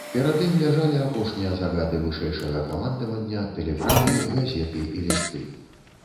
Перад ім ляжалі апошнія загады вышэйшага камандавання, тэлеграмы, газеты і лісты.